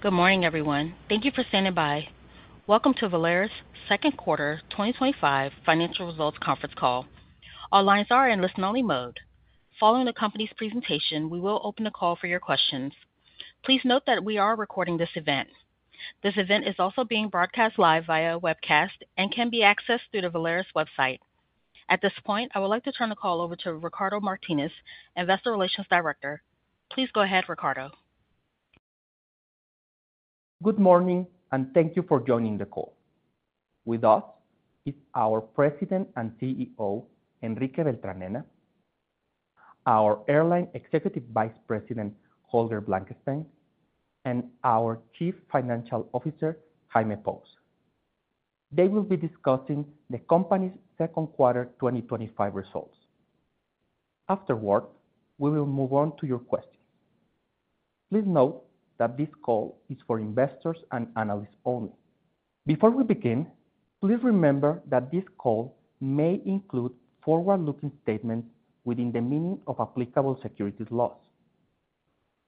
Good morning, everyone. Thank you for standing by. Welcome to Volaris' second quarter 2025 financial results conference call. Our lines are in listen-only mode. Following the company's presentation, we will open the call for your questions. Please note that we are recording this event. This event is also being broadcast live via webcast and can be accessed through the Volaris website. At this point, I would like to turn the call over to Ricardo Martínez, Investor Relations Director. Please go ahead, Ricardo. Good morning, and thank you for joining the call. With us is our President and CEO, Enrique Beltranena, our Airline Executive Vice President, Holger Blankenstein, and our Chief Financial Officer, Jaime Esteban Pous Fernández. They will be discussing the company's second quarter 2025 results. Afterward, we will move on to your questions. Please note that this call is for investors and analysts only. Before we begin, please remember that this call may include forward-looking statements within the meaning of applicable securities laws.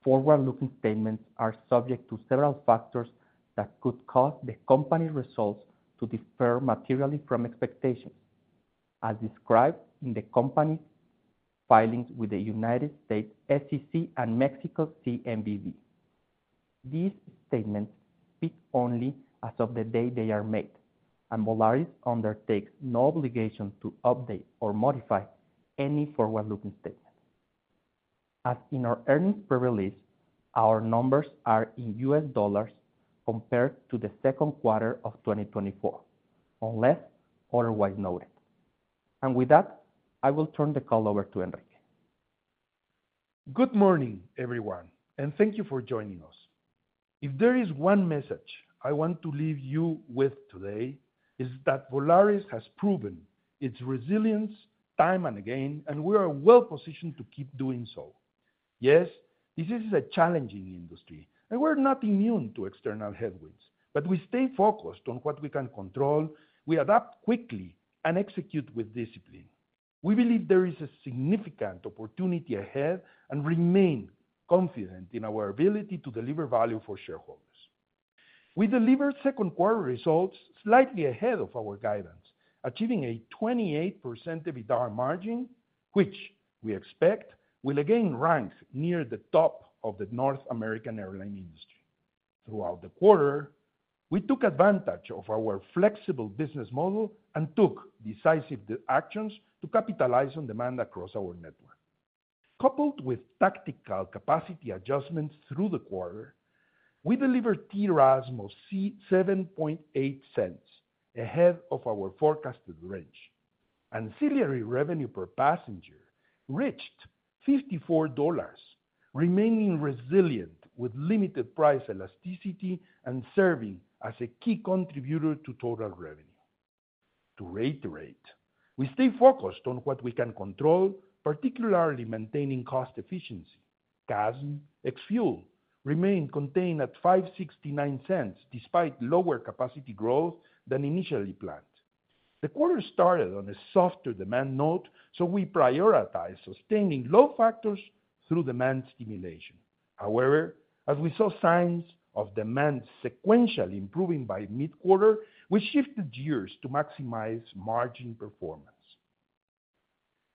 Forward-looking statements are subject to several factors that could cause the company results to differ materially from expectations, as described in the company filings with the United States SEC and Mexico CNBV. These statements speak only as of the day they are made, and Volaris undertakes no obligation to update or modify any forward-looking statements. As in our earnings pre-release, our numbers are in US dollars compared to the second quarter of 2024, unless otherwise noted. With that, I will turn the call over to Enrique. Good morning, everyone, and thank you for joining us. If there is one message I want to leave you with today, it's that Volaris has proven its resilience time and again, and we are well positioned to keep doing so. Yes, this is a challenging industry, and we're not immune to external headwinds, but we stay focused on what we can control, we adapt quickly, and execute with discipline. We believe there is a significant opportunity ahead and remain confident in our ability to deliver value for shareholders. We delivered second quarter results slightly ahead of our guidance, achieving a 28% EBITDA margin, which we expect will again rank near the top of the North American airline industry. Throughout the quarter, we took advantage of our flexible business model and took decisive actions to capitalize on demand across our network. Coupled with tactical capacity adjustments through the quarter, we delivered TRASM as most seen at $0.078 ahead of our forecasted range, and ancillary revenue per passenger reached $54, remaining resilient with limited price elasticity and serving as a key contributor to total revenue. To reiterate, we stay focused on what we can control, particularly maintaining cost efficiency. CASM ex-fuel remained contained at $0.0569 despite lower capacity growth than initially planned. The quarter started on a softer demand note, so we prioritized sustaining load factors through demand stimulation. However, as we saw signs of demand sequentially improving by mid-quarter, we shifted gears to maximize margin performance.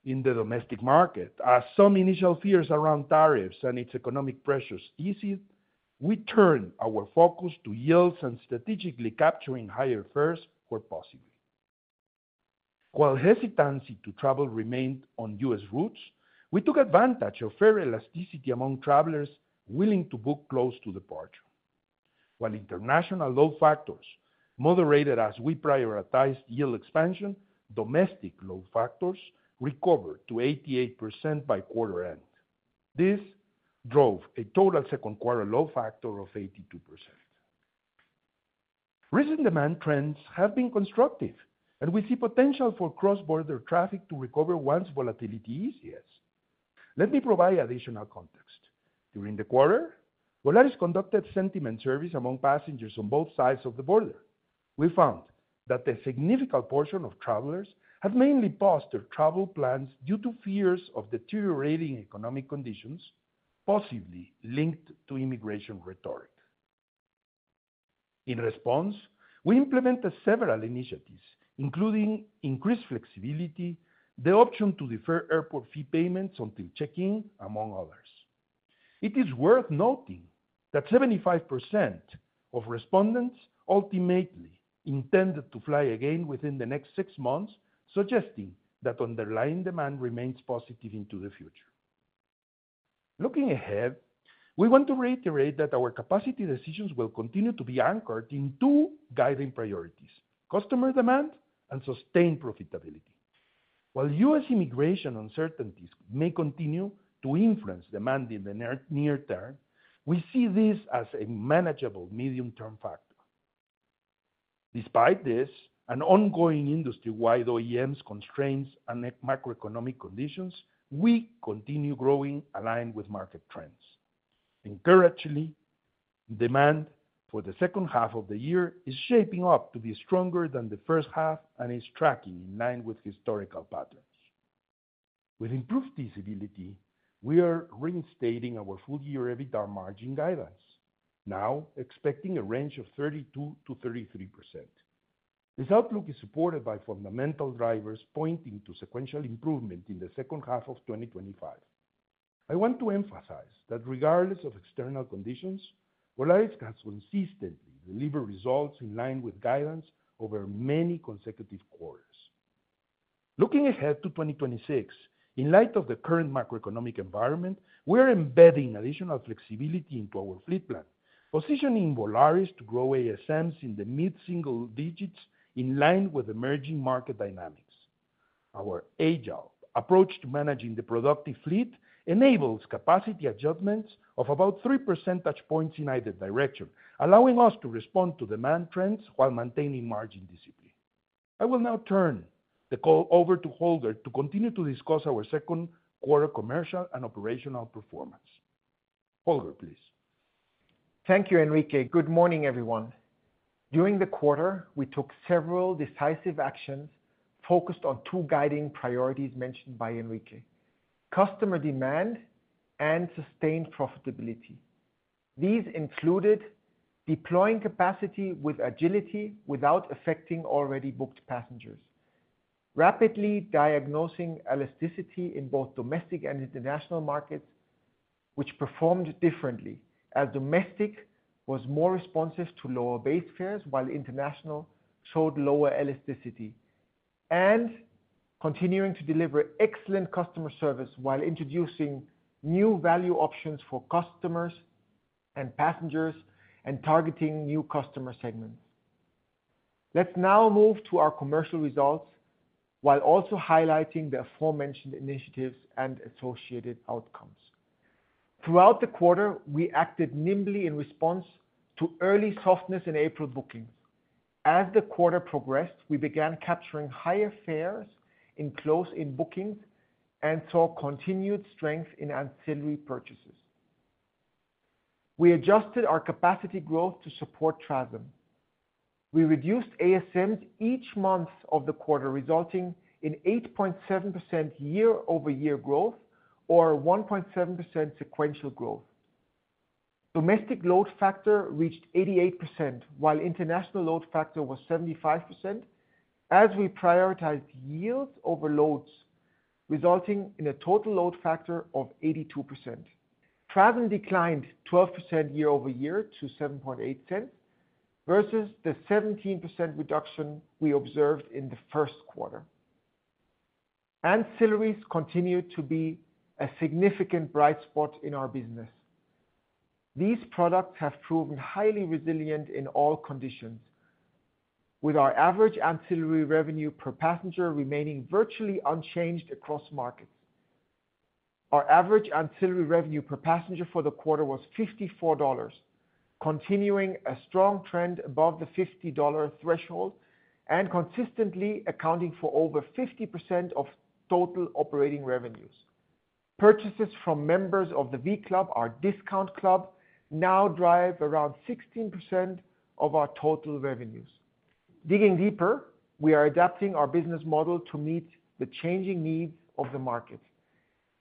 In the domestic market, as some initial fears around tariffs and its economic pressures eased, we turned our focus to yields and strategically capturing higher fares where possible. While hesitancy to travel remained on U.S. routes, we took advantage of fare elasticity among travelers willing to book close to departure. While international load factors moderated as we prioritized yield expansion, domestic load factors recovered to 88% by quarter end. This drove a total second quarter load factor of 82%. Recent demand trends have been constructive, and we see potential for cross-border traffic to recover once volatility eases. Let me provide additional context. During the quarter, Volaris conducted sentiment surveys among passengers on both sides of the border. We found that a significant portion of travelers had mainly paused their travel plans due to fears of deteriorating economic conditions, possibly linked to immigration rhetoric. In response, we implemented several initiatives, including increased flexibility, the option to defer airport fee payments until check-in, among others. It is worth noting that 75% of respondents ultimately intended to fly again within the next six months, suggesting that underlying demand remains positive into the future. Looking ahead, we want to reiterate that our capacity decisions will continue to be anchored in two guiding priorities: customer demand and sustained profitability. While U.S. immigration uncertainties may continue to influence demand in the near term, we see this as a manageable medium-term factor. Despite this, and ongoing industry-wide OEMs' constraints and macroeconomic conditions, we continue growing aligned with market trends. Concurrently, demand for the second half of the year is shaping up to be stronger than the first half and is tracking in line with historical patterns. With improved feasibility, we are reinstating our full-year EBITDA margin guidelines, now expecting a range of 32%-33%. This outlook is supported by fundamental drivers pointing to sequential improvement in the second half of 2025. I want to emphasize that regardless of external conditions, Volaris has consistently delivered results in line with guidance over many consecutive quarters. Looking ahead to 2026, in light of the current macroeconomic environment, we are embedding additional flexibility into our fleet plan, positioning Volaris to grow ASMs in the mid-single digits in line with emerging market dynamics. Our agile approach to managing the productive fleet enables capacity adjustments of about three percentage points in either direction, allowing us to respond to demand trends while maintaining margin discipline. I will now turn the call over to Holger to continue to discuss our second quarter commercial and operational performance. Holger, please. Thank you, Enrique. Good morning, everyone. During the quarter, we took several decisive actions focused on two guiding priorities mentioned by Enrique: customer demand and sustained profitability. These included deploying capacity with agility without affecting already booked passengers, rapidly diagnosing elasticity in both domestic and international markets, which performed differently, as domestic was more responsive to lower base fares while international showed lower elasticity, and continuing to deliver excellent customer service while introducing new value options for customers and passengers and targeting new customer segments. Let's now move to our commercial results while also highlighting the aforementioned initiatives and associated outcomes. Throughout the quarter, we acted nimbly in response to early softness in April booking. As the quarter progressed, we began capturing higher fares in close-in bookings and saw continued strength in ancillary purchases. We adjusted our capacity growth to support TRASM. We reduced ASMs each month of the quarter, resulting in 8.7% year-over-year growth or 1.7% sequential growth. Domestic load factor reached 88% while international load factor was 75%, as we prioritized yield over loads, resulting in a total load factor of 82%. TRASM declined 12% year-over-year to $0.078 versus the 17% reduction we observed in the first quarter. Ancillaries continue to be a significant bright spot in our business. These products have proven highly resilient in all conditions, with our average ancillary revenue per passenger remaining virtually unchanged across markets. Our average ancillary revenue per passenger for the quarter was $54, continuing a strong trend above the $50 threshold and consistently accounting for over 50% of total operating revenues. Purchases from members of the V Club, our discount club, now drive around 16% of our total revenues. Digging deeper, we are adapting our business model to meet the changing needs of the market.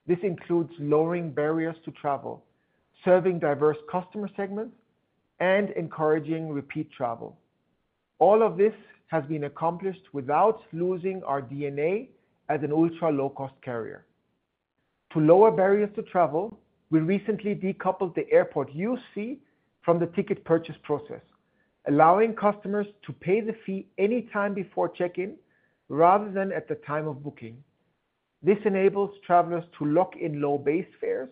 This includes lowering barriers to travel, serving diverse customer segments, and encouraging repeat travel. All of this has been accomplished without losing our DNA as an ultra-low-cost carrier. To lower barriers to travel, we recently decoupled the airport use fee from the ticket purchase process, allowing customers to pay the fee any time before check-in rather than at the time of booking. This enables travelers to lock in low base fares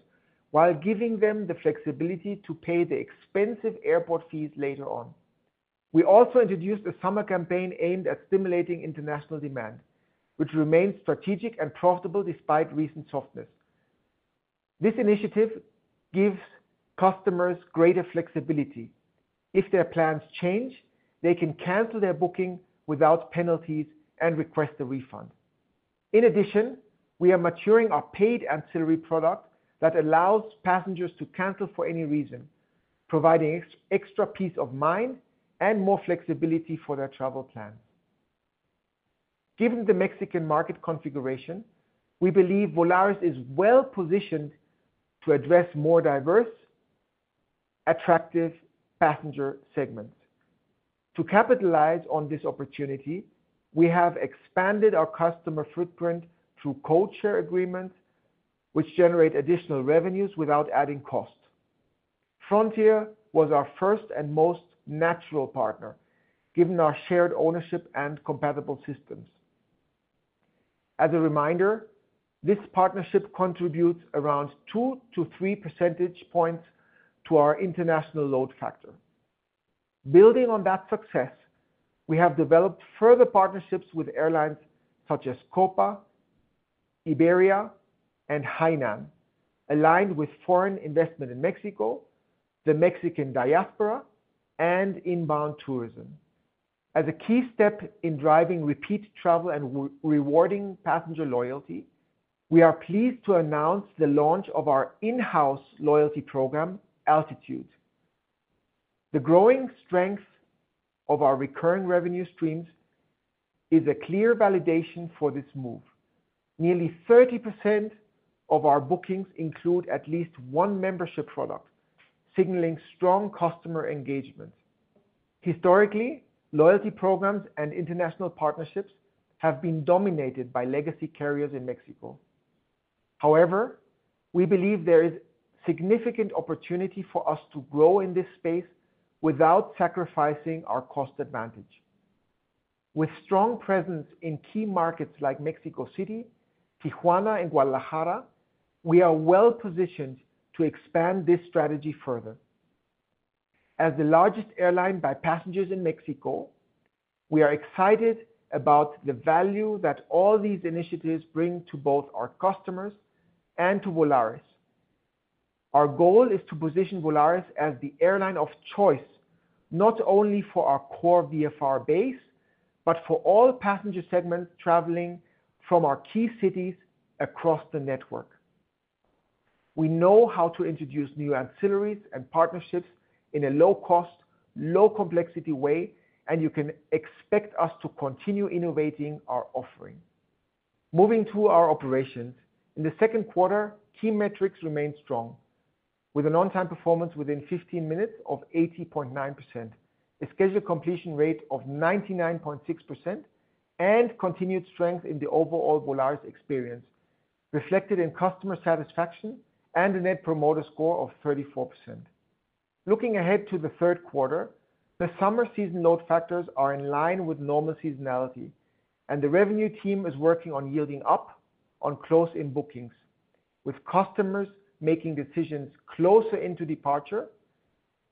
while giving them the flexibility to pay the expensive airport fees later on. We also introduced a summer campaign aimed at stimulating international demand, which remains strategic and profitable despite recent softness. This initiative gives customers greater flexibility. If their plans change, they can cancel their booking without penalties and request a refund. In addition, we are maturing our paid ancillary product that allows passengers to cancel for any reason, providing extra peace of mind and more flexibility for their travel plan. Given the Mexican market configuration, we believe Volaris is well positioned to address more diverse, attractive passenger segments. To capitalize on this opportunity, we have expanded our customer footprint through code-share agreements, which generate additional revenues without adding cost. Frontier was our first and most natural partner, given our shared ownership and compatible systems. As a reminder, this partnership contributes around 2%-3% points to our international load factor. Building on that success, we have developed further partnerships with airlines such as Copa, Iberia, and Hainan, aligned with foreign investment in Mexico, the Mexican diaspora, and inbound tourism. As a key step in driving repeat travel and rewarding passenger loyalty, we are pleased to announce the launch of our in-house loyalty program, Altitude. The growing strength of our recurring revenue streams is a clear validation for this move. Nearly 30% of our bookings include at least one membership product, signaling strong customer engagement. Historically, loyalty programs and international partnerships have been dominated by legacy carriers in Mexico. However, we believe there is significant opportunity for us to grow in this space without sacrificing our cost advantage. With strong presence in key markets like Mexico City, Tijuana, and Guadalajara, we are well positioned to expand this strategy further. As the largest airline by passengers in Mexico, we are excited about the value that all these initiatives bring to both our customers and to Volaris. Our goal is to position Volaris as the airline of choice, not only for our core VFR base, but for all passenger segments traveling from our key cities across the network. We know how to introduce new ancillaries and partnerships in a low-cost, low-complexity way, and you can expect us to continue innovating our offering. Moving to our operations, in the second quarter, key metrics remain strong, with an on-time performance within 15 minutes of 80.9%, a scheduled completion rate of 99.6%, and continued strength in the overall Volaris experience, reflected in customer satisfaction and a Net Promoter Score of 34%. Looking ahead to the third quarter, the summer season load factors are in line with normal seasonality, and the revenue team is working on yielding up on close-in bookings, with customers making decisions closer into departure,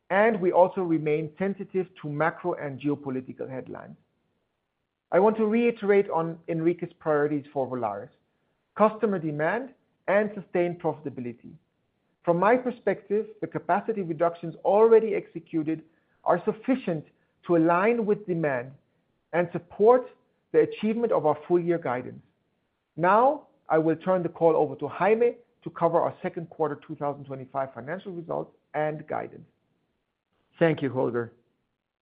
and we also remain sensitive to macro and geopolitical headlines. I want to reiterate on Enrique's priorities for Volaris: customer demand and sustained profitability. From my perspective, the capacity reductions already executed are sufficient to align with demand and support the achievement of our full-year guidance. Now, I will turn the call over to Jaime to cover our second quarter 2025 financial results and guidance. Thank you, Holger.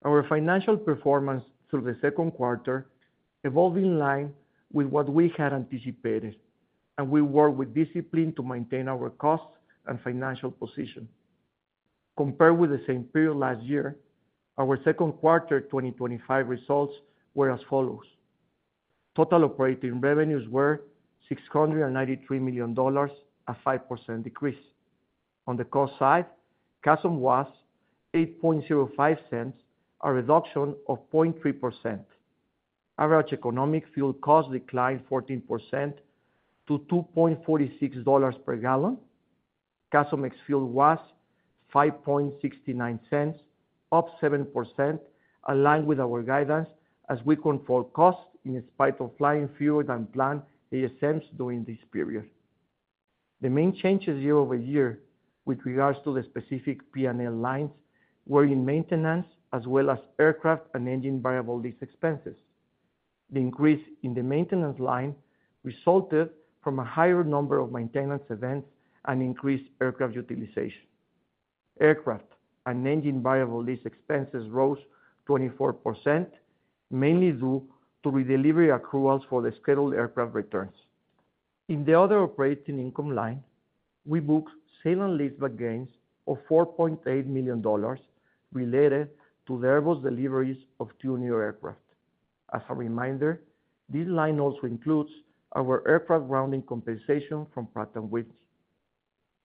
Our financial performance through the second quarter evolved in line with what we had anticipated, and we worked with discipline to maintain our costs and financial position. Compared with the same period last year, our second quarter 2025 results were as follows: total operating revenues were $693 million, a 5% decrease. On the cost side, CASM was $0.0805, a reduction of 0.3%. Average economic fuel cost declined 14% to $2.46 per gallon. CASM ex-fuel was $0.0569, up 7%, aligned with our guidance as we controlled costs in spite of flying fewer than planned ASMs during this period. The main changes year-over-year with regards to the specific P&L lines were in maintenance as well as aircraft and engine variable lease expenses. The increase in the maintenance line resulted from a higher number of maintenance events and increased aircraft utilization. Aircraft and engine variable lease expenses rose 24%, mainly due to redelivery accruals for the scheduled aircraft returns. In the other operating income line, we booked sale and lease back gains of $4.8 million related to the Airbus deliveries of two new aircraft. As a reminder, this line also includes our aircraft grounding compensation from Pratt & Whitney.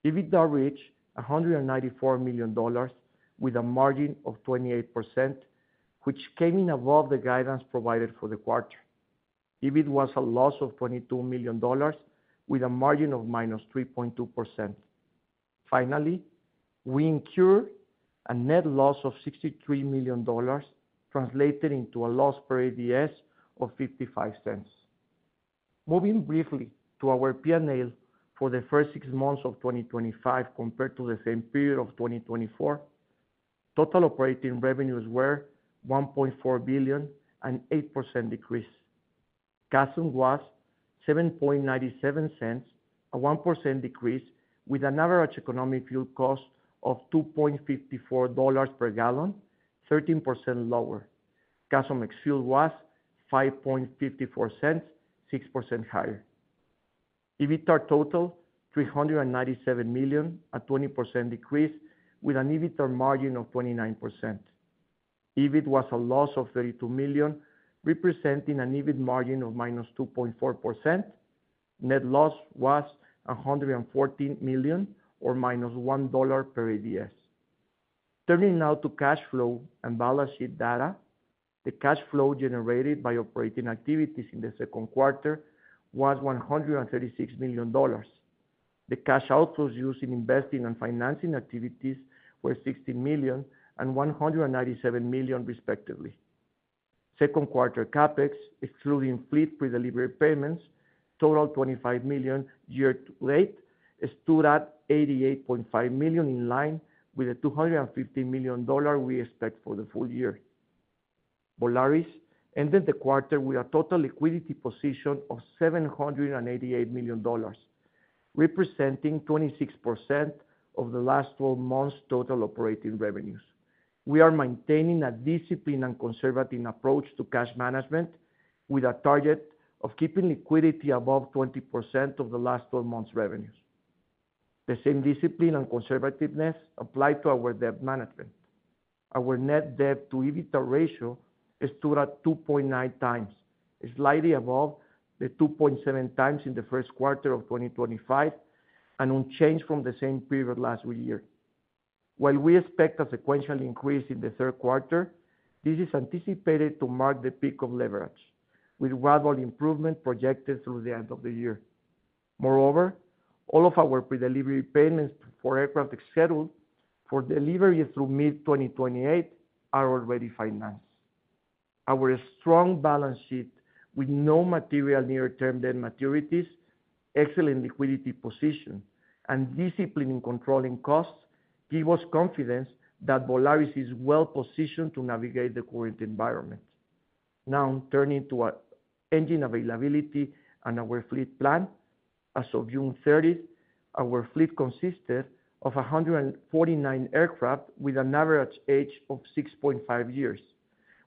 EBITDA reached $194 million, with a margin of 28%, which came in above the guidance provided for the quarter. EBIT was a loss of $22 million, with a margin of -3.2%. Finally, we incurred a net loss of $63 million, translated into a loss per ADS of $0.55. Moving briefly to our P&L for the first six months of 2025 compared to the same period of 2024, total operating revenues were $1.4 billion, an 8% decrease. CASM was $0.0797, a 1% decrease, with an average economic fuel cost of $2.54 per gallon, 13% lower. CASM ex-fuel was $0.0554, 6% higher. EBITDA totaled $397 million, a 20% decrease, with an EBITDA margin of 29%. EBIT was a loss of $32 million, representing an EBIT margin of -2.4%. Net loss was $114 million, or -$1 per ADS. Turning now to cash flow and balance sheet data, the cash flow generated by operating activities in the second quarter was $136 million. The cash outflows used in investing and financing activities were $16 million and $197 million, respectively. Second quarter CapEx, excluding fleet pre-delivery payments, totaled $25 million. Year to date, it stood at $88.5 million, in line with the $250 million we expect for the full year. Volaris ended the quarter with a total liquidity position of $788 million, representing 26% of the last twelve months' total operating revenues. We are maintaining a disciplined and conservative approach to cash management, with a target of keeping liquidity above 20% of the last twelve months' revenues. The same discipline and conservativeness applies to our debt management. Our net debt-to-EBITDA ratio stood at 2.9x, slightly above the 2.7x in the first quarter of 2025 and unchanged from the same period last year. While we expect a sequential increase in the third quarter, this is anticipated to mark the peak of leverage, with gradual improvement projected through the end of the year. Moreover, all of our pre-delivery payments for aircraft scheduled for deliveries through mid-2028 are already financed. Our strong balance sheet with no material near-term debt maturities, excellent liquidity position, and discipline in controlling costs give us confidence that Volaris is well positioned to navigate the current environment. Now, turning to engine availability and our fleet plan, as of June 30, our fleet consisted of 149 aircraft with an average age of 6.5 years,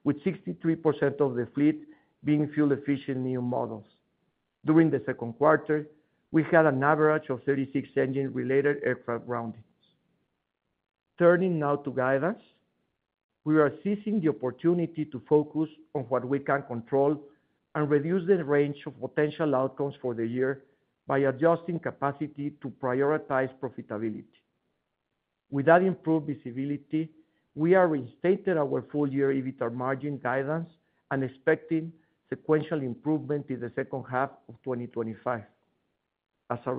with 63% of the fleet being fuel-efficient new models. During the second quarter, we had an average of 36 engine-related aircraft grounding. Turning now to guidance, we are seizing the opportunity to focus on what we can control and reduce the range of potential outcomes for the year by adjusting capacity to prioritize profitability. With that improved visibility, we have reinstated our full-year EBITDA margin guidance and expecting sequential improvement in the second half of 2025. As a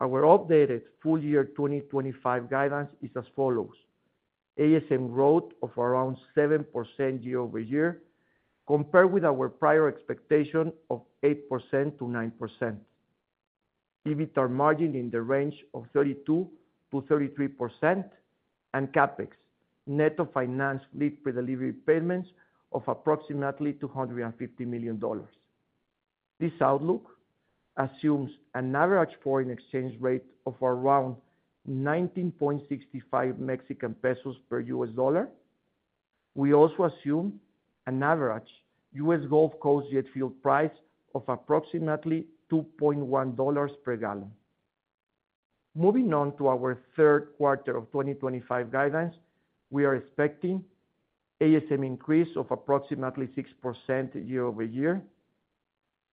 result, our updated full-year 2025 guidance is as follows: ASM growth of around 7% year-over-year compared with our prior expectation of 8%-9%, EBITDA margin in the range of 32%-33%, and CapEx, net of financed fleet pre-delivery payments of approximately $250 million. This outlook assumes an average foreign exchange rate of around 19.65 Mexican pesos per U.S. dollar. We also assume an average U.S. Gulf Coast jet fuel price of approximately $2.10 per gallon. Moving on to our third quarter of 2025 guidance, we are expecting ASM increase of approximately 6% year-over-year,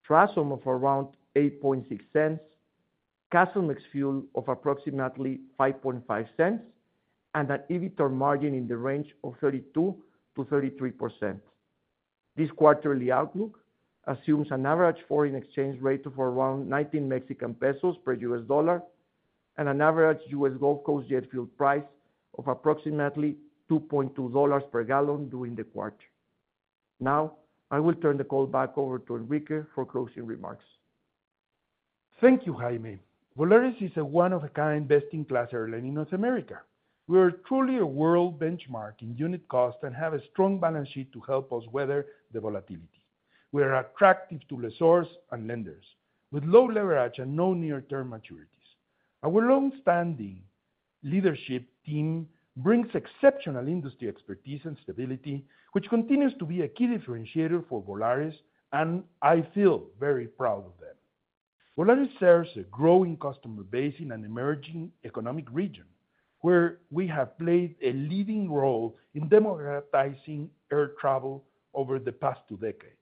TRASM of around $0.086, CASM ex-fuel of approximately $0.055, and an EBITDA margin in the range of 32%-%. This quarterly outlook assumes an average foreign exchange rate of around 19 Mexican pesos per U.S. dollar and an average U.S. Gulf Coast jet fuel price of approximately $2.20 per gallon during the quarter. Now, I will turn the call back over to Enrique for closing remarks. Thank you, Jaime. Volaris is a one-of-a-kind best-in-class airline in North America. We are truly a world benchmark in unit cost and have a strong balance sheet to help us weather the volatility. We are attractive to lessors and lenders, with low leverage and no near-term maturities. Our longstanding leadership team brings exceptional industry expertise and stability, which continues to be a key differentiator for Volaris, and I feel very proud of them. Volaris serves a growing customer base in an emerging economic region, where we have played a leading role in democratizing air travel over the past two decades.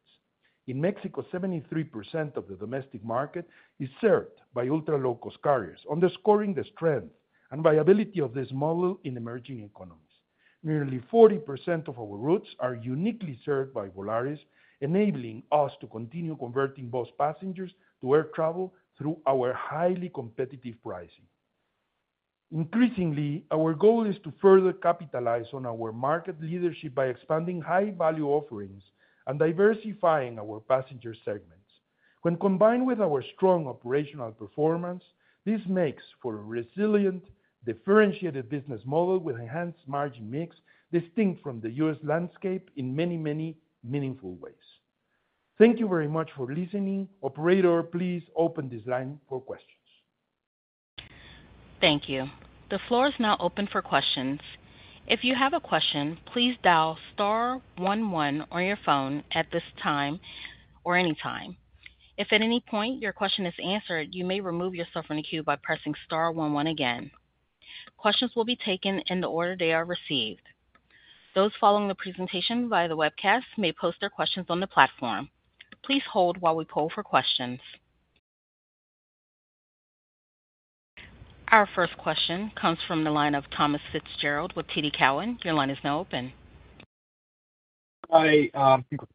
In Mexico, 73% of the domestic market is served by ultra-low-cost carriers, underscoring the strength and viability of this model in emerging economies. Nearly 40% of our routes are uniquely served by Volaris, enabling us to continue converting bus passengers to air travel through our highly competitive pricing. Increasingly, our goal is to further capitalize on our market leadership by expanding high-value offerings and diversifying our passenger segments. When combined with our strong operational performance, this makes for a resilient, differentiated business model with an enhanced margin mix distinct from the U.S. landscape in many, many meaningful ways. Thank you very much for listening. Operator, please open this line for questions. Thank you. The floor is now open for questions. If you have a question, please dial star one one on your phone at this time or any time. If at any point your question is answered, you may remove yourself from the queue by pressing star one one again. Questions will be taken in the order they are received. Those following the presentation via the webcast may post their questions on the platform. Please hold while we poll for questions. Our first question comes from the line of Thomas Fitzgerald with TD Cowen. Your line is now open. Hi.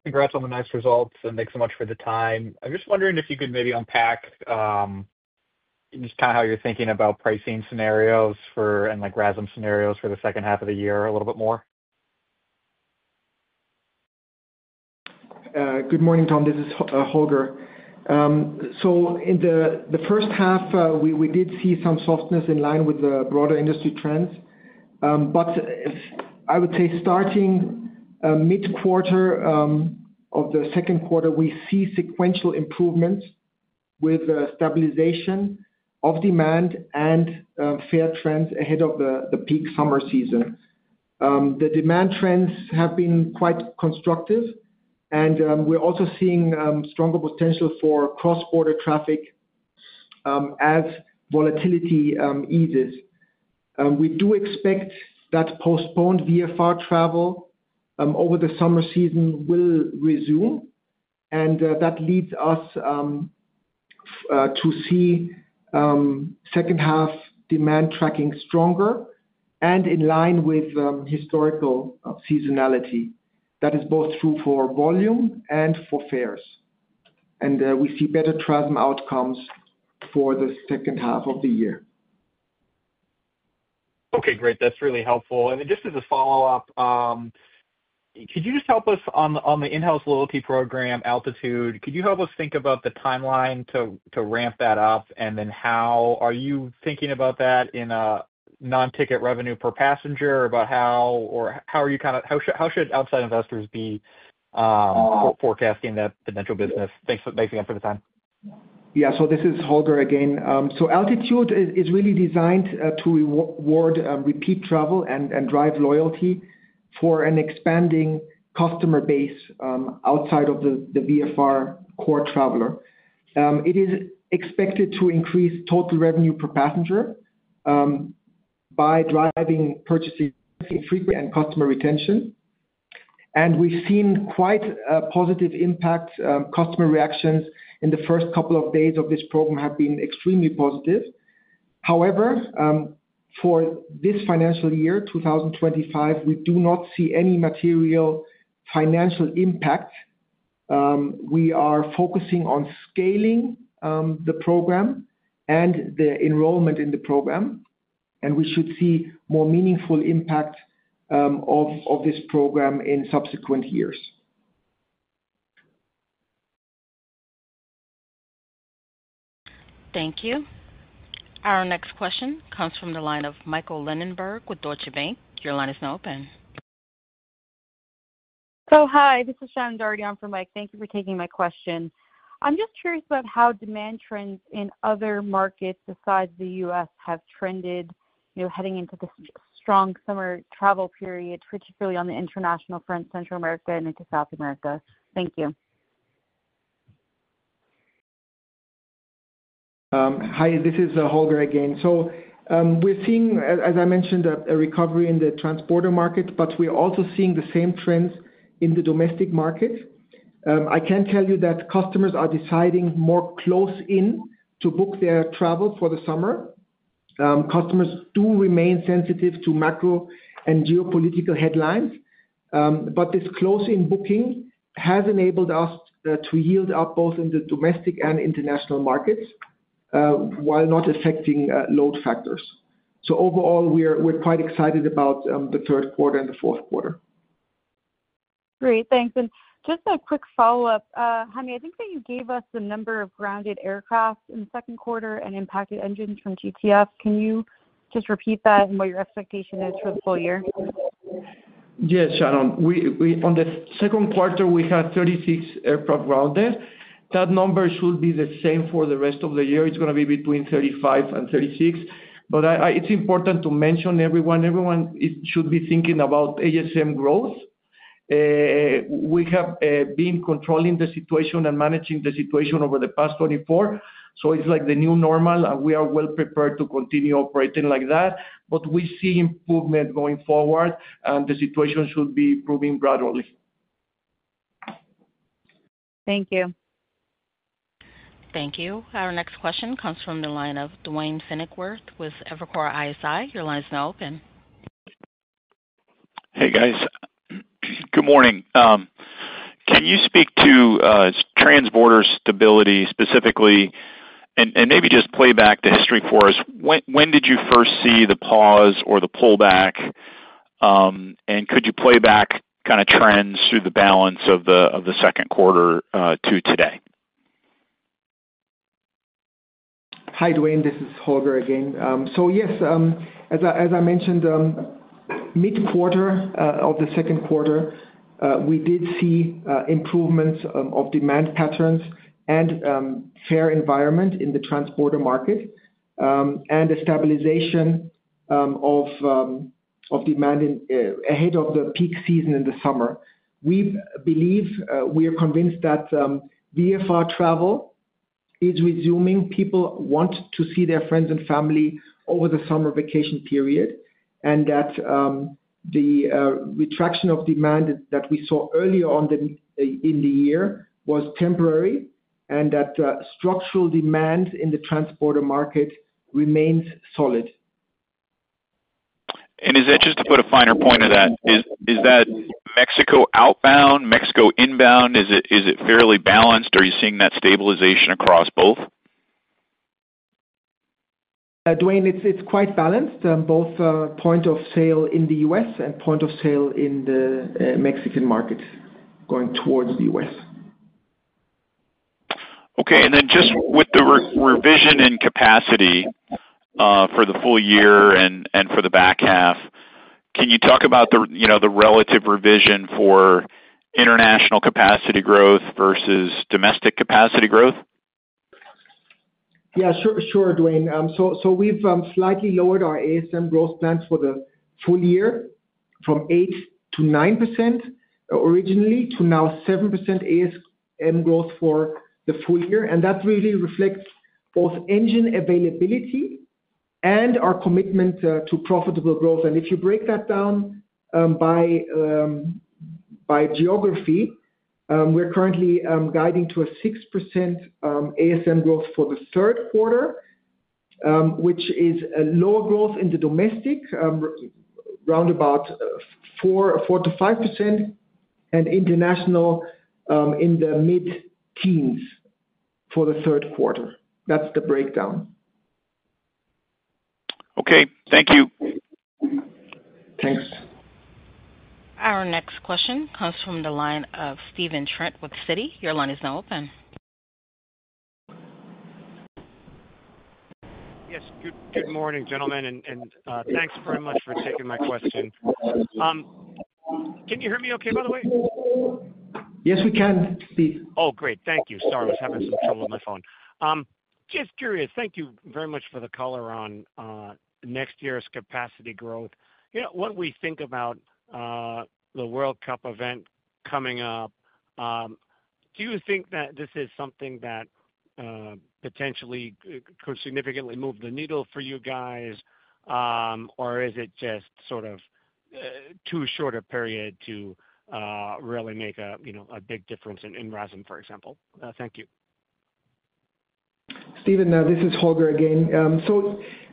Congrats on the nice results, and thanks so much for the time. I'm just wondering if you could maybe unpack just kind of how you're thinking about pricing scenarios for and like RASM scenarios for the second half of the year a little bit more. Good morning, Tom. This is Holger. In the first half, we did see some softness in line with the broader industry trends. I would say starting mid-quarter of the second quarter, we see sequential improvements with the stabilization of demand and fare trends ahead of the peak summer season. The demand trends have been quite constructive, and we're also seeing stronger potential for cross-border traffic as volatility eases. We do expect that postponed VFR travel over the summer season will resume, and that leads us to see second-half demand tracking stronger and in line with historical seasonality. That is both true for volume and for fares. We see better TRASM outcomes for the second half of the year. Okay, great. That's really helpful. Just as a follow-up, could you help us on the in-house loyalty program, Altitude? Could you help us think about the timeline to ramp that up? How are you thinking about that in a non-ticket revenue per passenger? How should outside investors be forecasting that potential business? Thanks again for the time. Altitude is really designed to reward repeat travel and drive loyalty for an expanding customer base outside of the VFR core traveler. It is expected to increase total revenue per passenger by driving purchasing frequency and customer retention. We've seen quite a positive impact. Customer reactions in the first couple of days of this program have been extremely positive. However, for this financial year, 2025, we do not see any material financial impact. We are focusing on scaling the program and the enrollment in the program. We should see more meaningful impact of this program in subsequent years. Thank you. Our next question comes from the line of Michael Lindenberg with Deutsche Bank. Your line is now open. Hi, this is Shannon Doherty on for Mike. Thank you for taking my question. I'm just curious about how demand trends in other markets besides the U.S. have trended, you know, heading into this strong summer travel period, particularly on the international front, Central America and into South America. Thank you. Hi. This is Holger again. We're seeing, as I mentioned, a recovery in the transporter market, and we're also seeing the same trends in the domestic market. I can tell you that customers are deciding more close-in to book their travel for the summer. Customers do remain sensitive to macro and geopolitical headlines. This close-in booking has enabled us to yield up both in the domestic and international markets while not affecting load factors. Overall, we're quite excited about the third quarter and the fourth quarter. Great, thanks. Just a quick follow-up. Jaime, I think that you gave us the number of grounded aircraft in the second quarter and impacted engines from GTF. Can you just repeat that and what your expectation is for the full year? Yes, Shannon. On the second quarter, we had 36 aircraft grounded. That number should be the same for the rest of the year. It's going to be between 35 and 36. It's important to mention, everyone should be thinking about ASM growth. We have been controlling the situation and managing the situation over the past 24. It's like the new normal, and we are well prepared to continue operating like that. We see improvement going forward, and the situation should be improving gradually. Thank you. Thank you. Our next question comes from the line of Duane Pfennigwerth with Evercore ISI. Your line is now open. Hey, guys. Good morning. Can you speak to transborder stability specifically and maybe just play back the history for us? When did you first see the pause or the pullback? Could you play back kind of trends through the balance of the second quarter to today? Hi, Duane. This is Holger again. Yes, as I mentioned, mid-quarter of the second quarter, we did see improvements of demand patterns and fare environment in the transporter market and a stabilization of demand ahead of the peak season in the summer. We believe we are convinced that VFR travel is resuming. People want to see their friends and family over the summer vacation period, and that the retraction of demand that we saw earlier on in the year was temporary and that structural demand in the transporter market remains solid. Is that just to put a finer point to that, is that Mexico outbound, Mexico inbound? Is it fairly balanced? Are you seeing that stabilization across both? Duane, it's quite balanced, both point of sale in the U.S. and point of sale in the Mexican markets going towards the U.S. Okay. With the revision in capacity for the full year and for the back half, can you talk about the relative revision for international capacity growth versus domestic capacity growth? Yeah, sure, Duane. We've slightly lowered our ASM growth plans for the full year from 8% to 9% originally to now 7% ASM growth for the full year. That really reflects both engine availability and our commitment to profitable growth. If you break that down by geography, we're currently guiding to a 6% ASM growth for the third quarter, which is a lower growth in the domestic, around 4%-5%, and international in the mid-teens for the third quarter. That's the breakdown. Okay, thank you. Thanks. Our next question comes from the line of Steve Trent with Citi. Your line is now open. Yes. Good morning, gentlemen, and thanks very much for taking my question. Can you hear me okay, by the way? Yes, we can, Steve. Oh, great. Thank you. Sorry, I was having some trouble with my phone. Just curious, thank you very much for the color on next year's capacity growth. When we think about the World Cup event coming up, do you think that this is something that potentially could significantly move the needle for you guys, or is it just sort of too short a period to really make a big difference in RASM, for example? Thank you. Steven, this is Holger again.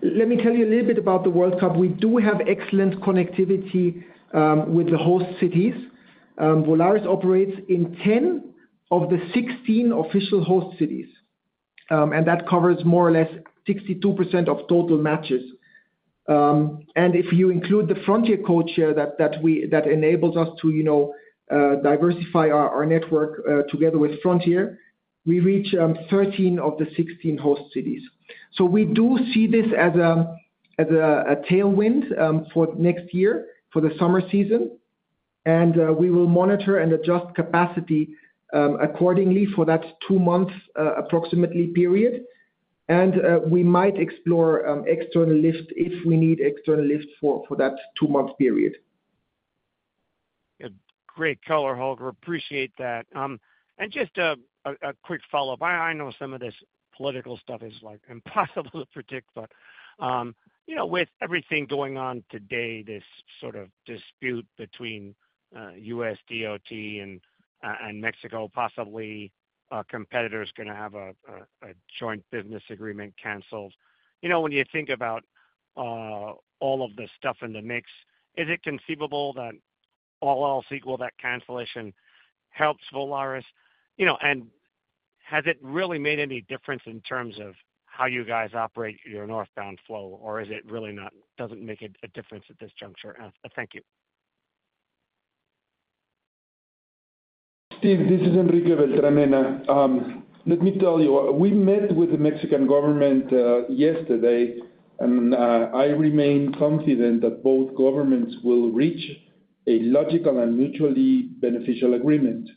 Let me tell you a little bit about the World Cup. We do have excellent connectivity with the host cities. Volaris operates in 10 of the 16 official host cities, and that covers more or less 62% of total matches. If you include the Frontier code share that enables us to diversify our network together with Frontier, we reach 13 of the 16 host cities. We do see this as a tailwind for next year for the summer season. We will monitor and adjust capacity accordingly for that approximately two-month period. We might explore external lifts if we need external lifts for that two-month period. Great color, Holger. Appreciate that. Just a quick follow-up. I know some of this political stuff is impossible to predict, but with everything going on today, this sort of dispute between U.S. DOT and Mexico, possibly our competitors are going to have a joint business agreement canceled. When you think about all of the stuff in the mix, is it conceivable that all else equal, that cancellation helps Volaris? Has it really made any difference in terms of how you guys operate your northbound flow, or is it really not? Does it make a difference at this juncture? Thank you. Steve, this is Enrique Beltranena. Let me tell you, we met with the Mexican government yesterday, and I remain confident that both governments will reach a logical and mutually beneficial agreement.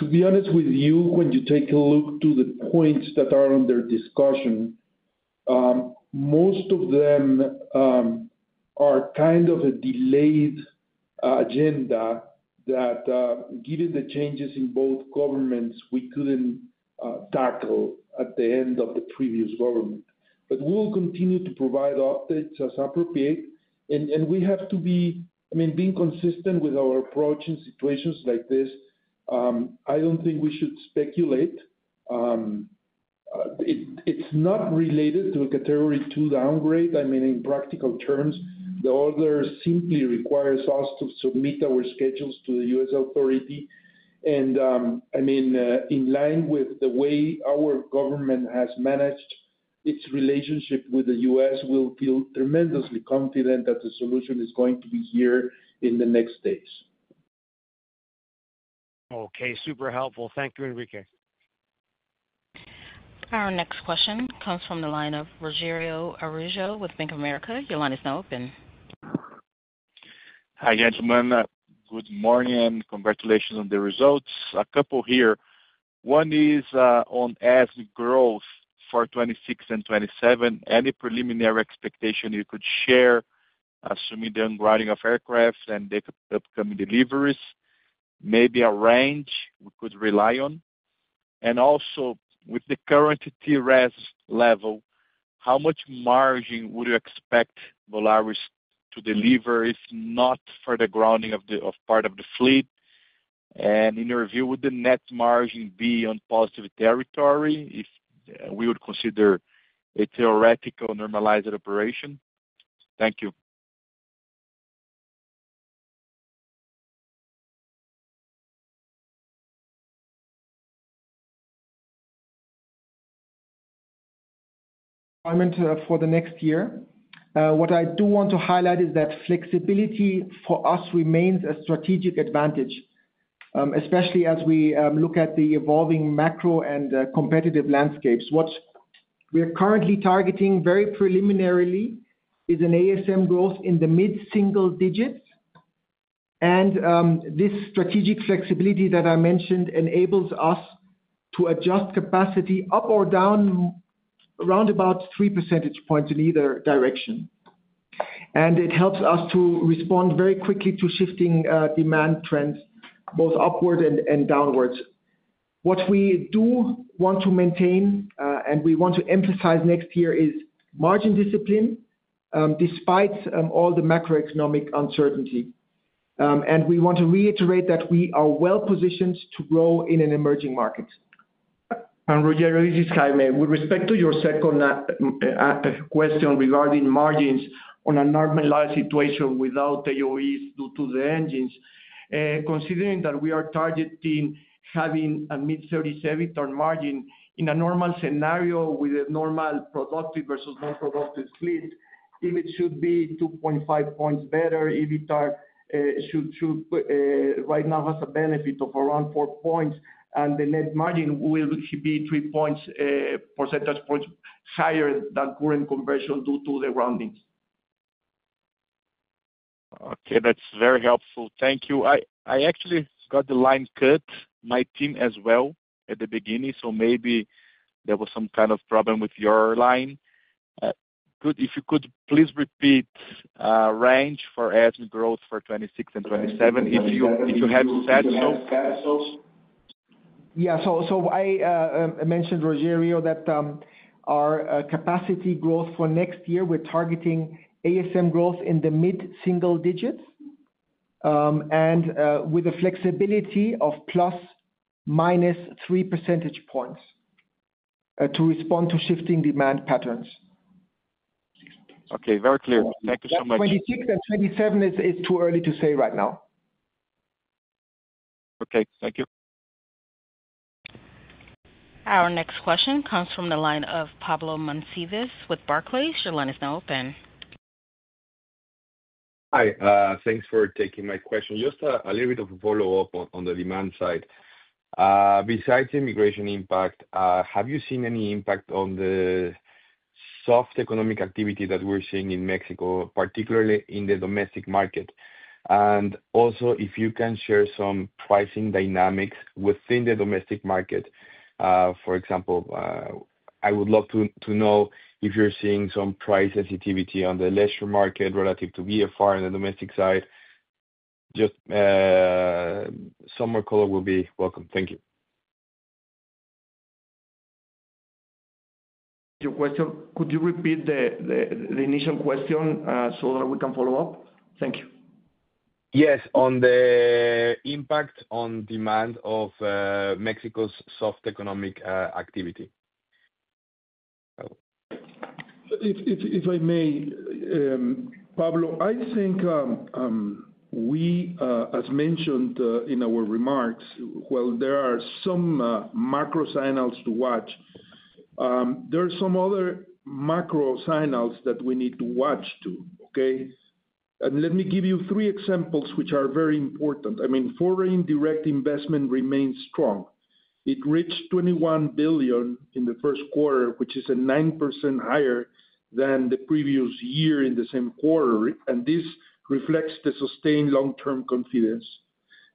To be honest with you, when you take a look through the points that are under discussion, most of them are kind of a delayed agenda that, given the changes in both governments, we couldn't tackle at the end of the previous government. We will continue to provide updates as appropriate. We have to be, I mean, being consistent with our approach in situations like this. I don't think we should speculate. It's not related to a category two downgrade. In practical terms, the order simply requires us to submit our schedules to the U.S. authority. In line with the way our government has managed its relationship with the U.S., we'll feel tremendously confident that the solution is going to be here in the next days. Okay. Super helpful. Thank you, Enrique. Our next question comes from the line of Rogerio Araujo with Bank of America. Your line is now open. Hi, gentlemen. Good morning. Congratulations on the results. A couple here. One is on ASM growth for 2026 and 2027. Any preliminary expectation you could share, assuming the ungrounding of aircraft and the upcoming deliveries? Maybe a range we could rely on. Also, with the current TRAS level, how much margin would you expect Volaris to deliver if not for the grounding of part of the fleet? In your view, would the net margin be on positive territory if we would consider a theoretical normalized operation? Thank you. I meant for the next year. What I do want to highlight is that flexibility for us remains a strategic advantage, especially as we look at the evolving macro and competitive landscapes. What we are currently targeting very preliminarily is an ASM growth in the mid-single digit. This strategic flexibility that I mentioned enables us to adjust capacity up or down around about 3% in either direction. It helps us to respond very quickly to shifting demand trends, both upward and downwards. What we do want to maintain and we want to emphasize next year is margin discipline, despite all the macroeconomic uncertainty. We want to reiterate that we are well positioned to grow in an emerging market. Rogerio, this is Jaime. With respect to your second question regarding margins on a normalized situation without AOEs due to the engines, considering that we are targeting having a mid-37% margin, in a normal scenario with a normal productive versus non-productive fleet, EBIT should be 2.5 points better. EBITDA right now has a benefit of around 4 points, and the net margin will be 3 percentage points higher than current conversion due to the grounding. Okay. That's very helpful. Thank you. I actually got the line cut. My team as well at the beginning, so maybe there was some kind of problem with your line. If you could please repeat a range for ASM growth for 2026 and 2027, if you had that so far. Yeah. I mentioned, Rogerio, that our capacity growth for next year, we're targeting ASM growth in the mid-single digit with a flexibility of ±3% to respond to shifting demand patterns. Okay. Very clear. Thank you so much. For 2026 and 2027, it's too early to say right now. Okay, thank you. Our next question comes from the line of Pablo Monsivais with Barclays. Your line is now open. Hi. Thanks for taking my question. Just a little bit of a follow-up on the demand side. Besides immigration impact, have you seen any impact on the soft economic activity that we're seeing in Mexico, particularly in the domestic market? Also, if you can share some pricing dynamics within the domestic market. For example, I would love to know if you're seeing some price sensitivity on the leisure market relative to VFR on the domestic side. Just some more color will be welcome. Thank you. Could you repeat the initial question so that we can follow up? Thank you. Yes. On the impact on demand of Mexico's soft economic activity. If I may, Pablo, I think we, as mentioned in our remarks, there are some macro signals to watch. There are some other macro signals that we need to watch too. Okay? Let me give you three examples which are very important. I mean, foreign direct investment remains strong. It reached $21 billion in the first quarter, which is 9% higher than the previous year in the same quarter. This reflects the sustained long-term confidence.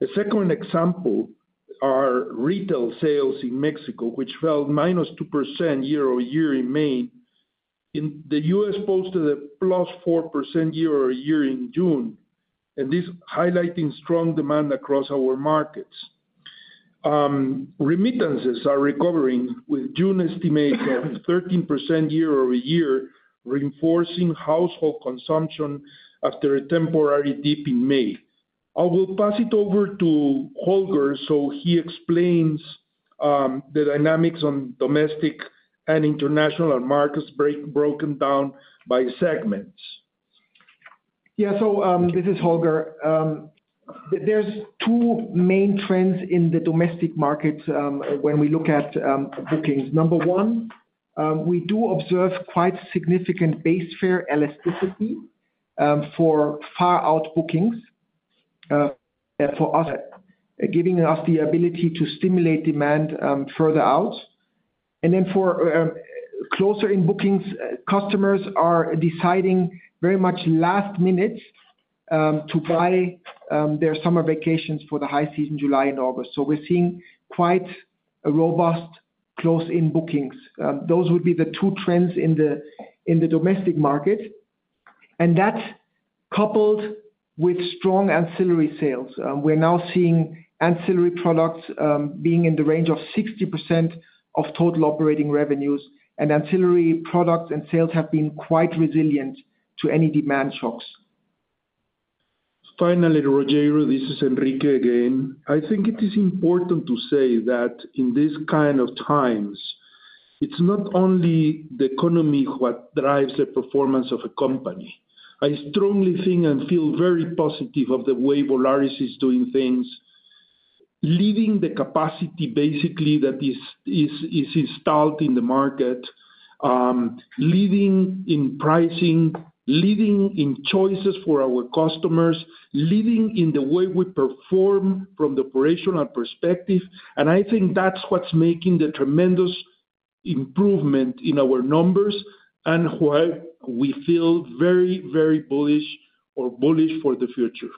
A second example is retail sales in Mexico, which fell -2% year-over-year in May. In the U.S., posted a +4% year-over-year in June. This highlights strong demand across our markets. Remittances are recovering with June estimates of 13% year-over-year, reinforcing household consumption after a temporary dip in May. I will pass it over to Holger so he explains the dynamics on domestic and international markets broken down by segment. Yeah. This is Holger. There are two main trends in the domestic markets when we look at bookings. Number one, we do observe quite significant base fare elasticity for far-out bookings, giving us the ability to stimulate demand further out. For closer-in bookings, customers are deciding very much last minute to buy their summer vacations for the high season, July and August. We're seeing quite robust close-in bookings. Those would be the two trends in the domestic market, coupled with strong ancillary sales. We're now seeing ancillary products being in the range of 60% of total operating revenues, and ancillary products and sales have been quite resilient to any demand shocks. Finally, Rogelio, this is Enrique again. I think it is important to say that in these kinds of times, it's not only the economy what drives the performance of a company. I strongly think and feel very positive of the way Volaris is doing things, leaving the capacity basically that is installed in the market, leading in pricing, leading in choices for our customers, leading in the way we perform from the operational perspective. I think that's what's making the tremendous improvement in our numbers and why we feel very, very bullish or bullish for the future.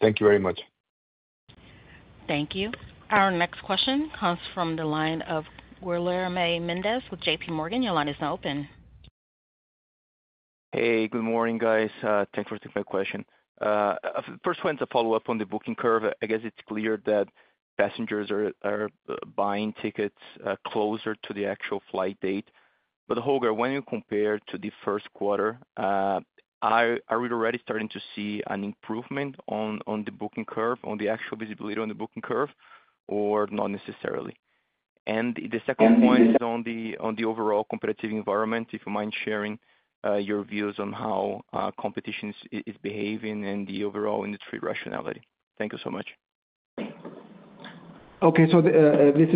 Thank you very much. Thank you. Our next question comes from the line of Guilherme Mendes with JPMorgan. Your line is now open. Hey, good morning, guys. Thanks for taking my question. First, one is a follow-up on the booking curve. I guess it's clear that passengers are buying tickets closer to the actual flight date. Holger, when you compare to the first quarter, are we already starting to see an improvement on the booking curve, on the actual visibility on the booking curve, or not necessarily? The second point is on the overall competitive environment, if you mind sharing your views on how competition is behaving and the overall industry rationality. Thank you so much. Okay. Yes, we do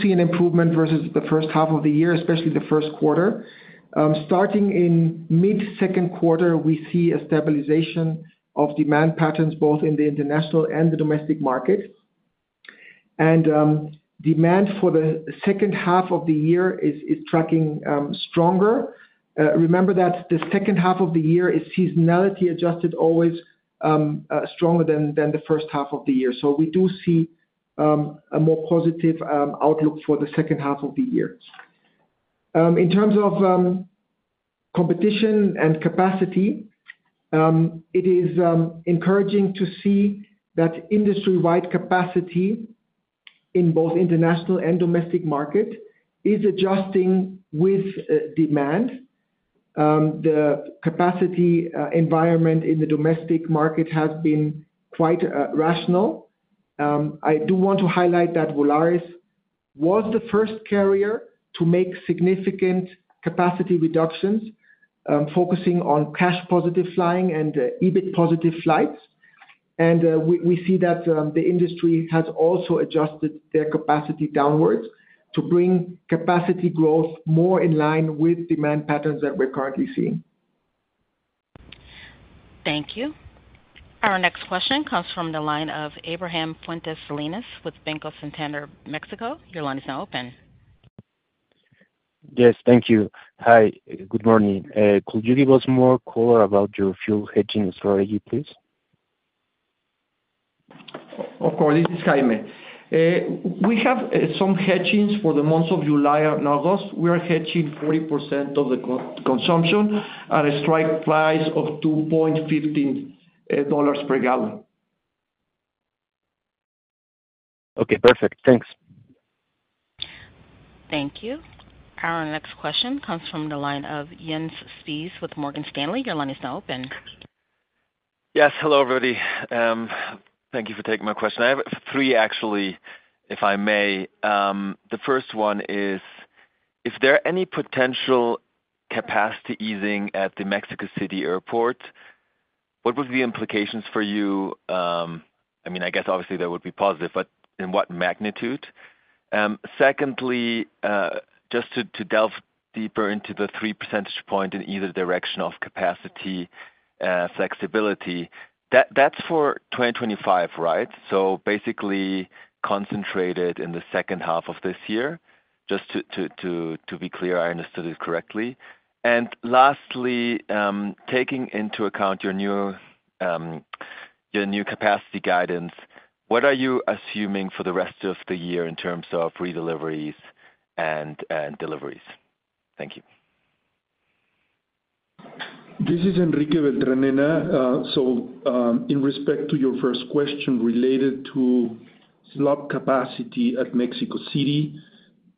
see an improvement versus the first half of the year, especially the first quarter. Starting in mid-second quarter, we see a stabilization of demand patterns both in the international and the domestic market. Demand for the second half of the year is tracking stronger. Remember that the second half of the year is seasonality adjusted always stronger than the first half of the year. We do see a more positive outlook for the second half of the year. In terms of competition and capacity, it is encouraging to see that industry-wide capacity in both international and domestic markets is adjusting with demand. The capacity environment in the domestic market has been quite rational. I do want to highlight that Volaris was the first carrier to make significant capacity reductions, focusing on cash-positive flying and EBIT-positive flights. We see that the industry has also adjusted their capacity downwards to bring capacity growth more in line with demand patterns that we're currently seeing. Thank you. Our next question comes from the line of Abraham Fuentes Salinas with Banco Santander, Mexico. Your line is now open. Yes, thank you. Hi. Good morning. Could you give us more color about your fuel hedging strategy, please? Of course. This is Jaime. We have some hedges for the months of July and August. We are hedging 40% of the consumption at a strike price of $2.15 per gallon. Okay. Perfect. Thanks. Thank you. Our next question comes from the line of Jens Spiess with Morgan Stanley. Your line is now open. Yes. Hello, everybody. Thank you for taking my question. I have three, actually, if I may. The first one is, if there are any potential capacity easing at the Mexico City Airport, what would be the implications for you? I mean, I guess, obviously, that would be positive, but in what magnitude? Secondly, just to delve deeper into the 3% point in either direction of capacity flexibility, that's for 2025, right? Basically concentrated in the second half of this year, just to be clear I understood it correctly. Lastly, taking into account your new capacity guidance, what are you assuming for the rest of the year in terms of pre-deliveries and deliveries? Thank you. This is Enrique Beltranena. In respect to your first question related to slot capacity at Mexico City,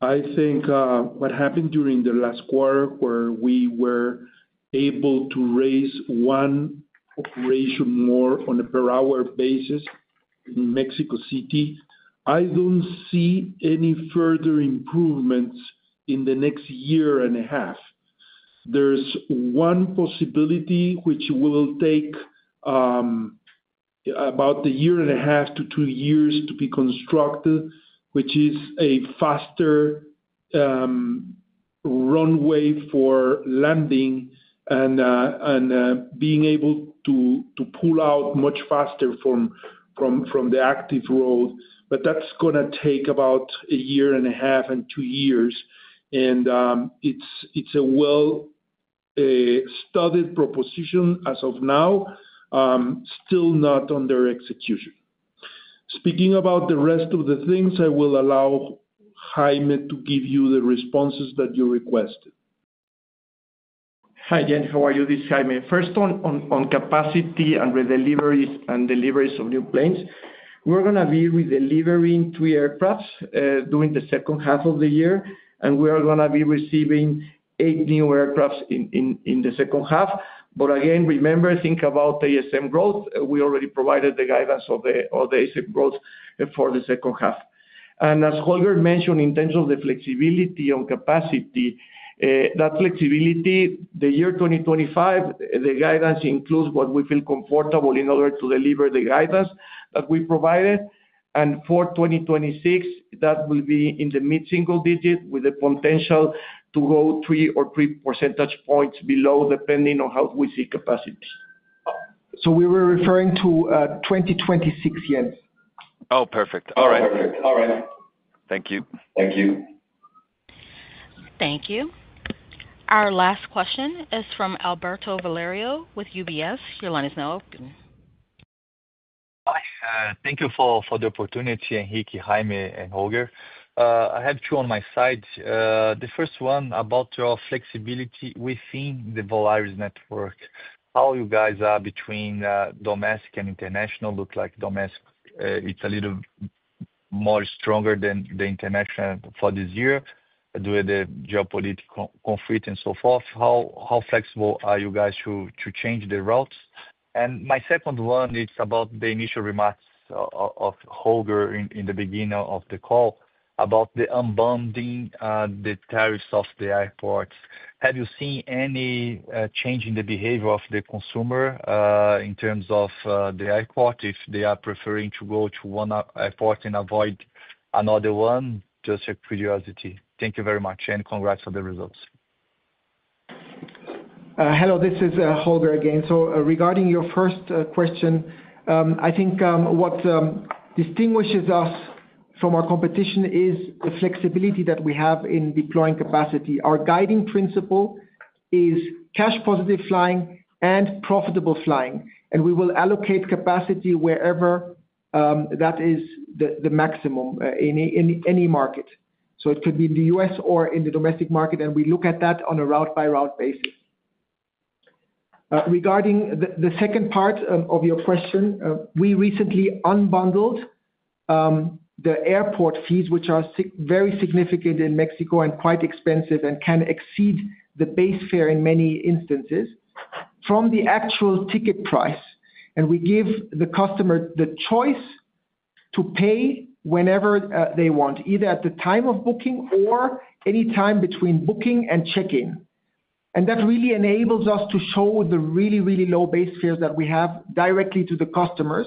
I think what happened during the last quarter where we were able to raise one operation more on a per-hour basis in Mexico City, I don't see any further improvements in the next year and a half. There's one possibility which will take about a year and a half to two years to be constructed, which is a faster runway for landing and being able to pull out much faster from the active road. That's going to take about a year and a half to two years. It's a well-studied proposition as of now, still not under execution. Speaking about the rest of the things, I will allow Jaime to give you the responses that you requested. Hi again. How are you? This is Jaime. First, on capacity and deliveries of new planes, we're going to be redelivering three aircraft during the second half of the year, and we are going to be receiving eight new aircraft in the second half. Again, remember, think about ASM growth. We already provided the guidance of the ASM growth for the second half. As Holger mentioned, in terms of the flexibility on capacity, that flexibility, the year 2025, the guidance includes what we feel comfortable in order to deliver the guidance that we provided. For 2026, that will be in the mid-single digit with the potential to go 3 or 3 percentage points below, depending on how we see capacities. We were referring to 2026 Jens. Oh, perfect. All right. Thank you. Thank you. Our last question is from Alberto Valerio with UBS. Your line is now open. Hi. Thank you for the opportunity, Enrique, Jaime, and Holger. I have two on my side. The first one about your flexibility within the Volaris network. How you guys are between domestic and international. Looks like domestic is a little more stronger than the international for this year due to the geopolitical conflict and so forth. How flexible are you guys to change the routes? My second one is about the initial remarks of Holger in the beginning of the call about the unbundling the tariffs of the airports. Have you seen any change in the behavior of the consumer in terms of the airport if they are preferring to go to one airport and avoid another one? Just a curiosity. Thank you very much, and congrats on the results. Hello. This is Holger again. Regarding your first question, I think what distinguishes us from our competition is the flexibility that we have in deploying capacity. Our guiding principle is cash-positive flying and profitable flying. We will allocate capacity wherever that is the maximum in any market. It could be in the U.S. or in the domestic market, and we look at that on a route-by-route basis. Regarding the second part of your question, we recently unbundled the airport fees, which are very significant in Mexico and quite expensive and can exceed the base fare in many instances, from the actual ticket price. We give the customer the choice to pay whenever they want, either at the time of booking or any time between booking and check-in. That really enables us to show the really, really low base fares that we have directly to the customers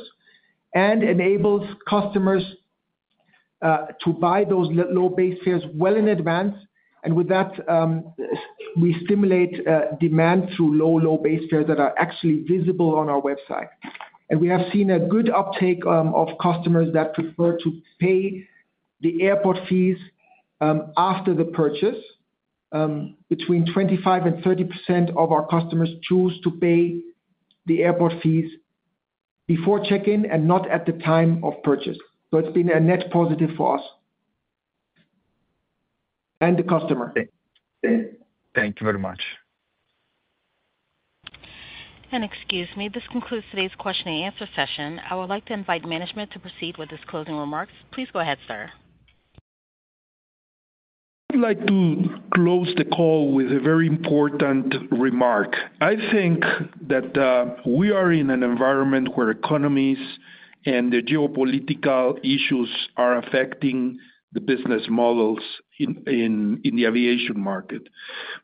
and enables customers to buy those low base fares well in advance. With that, we stimulate demand through low, low base fares that are actually visible on our website. We have seen a good uptake of customers that prefer to pay the airport fees after the purchase. Between 25% and 30% of our customers choose to pay the airport fees before check-in and not at the time of purchase. It has been a net positive for us and the customer. Thank you very much. Excuse me. This concludes today's question and answer session. I would like to invite management to proceed with its closing remarks. Please go ahead, sir. I'd like to close the call with a very important remark. I think that we are in an environment where economies and the geopolitical issues are affecting the business models in the aviation market.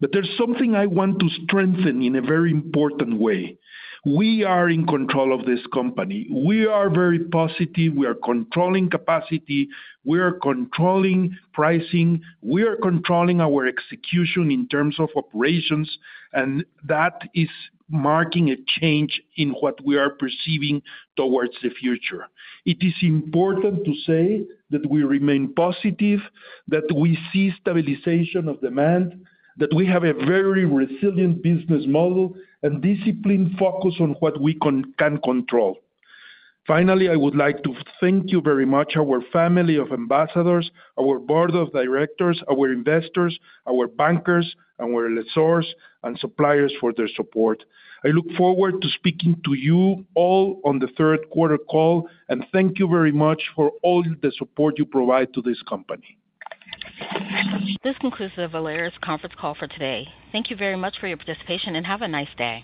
There's something I want to strengthen in a very important way. We are in control of this company. We are very positive. We are controlling capacity. We are controlling pricing. We are controlling our execution in terms of operations. That is marking a change in what we are perceiving towards the future. It is important to say that we remain positive, that we see stabilization of demand, that we have a very resilient business model, and discipline focused on what we can control. Finally, I would like to thank you very much, our family of ambassadors, our Board of Directors, our investors, our bankers, and our lessors and suppliers for their support. I look forward to speaking to you all on the third-quarter call, and thank you very much for all the support you provide to this company. This concludes the Volaris conference call for today. Thank you very much for your participation and have a nice day.